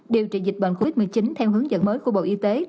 điều trị dịch bệnh covid một mươi chín theo hướng dẫn mới của bộ y tế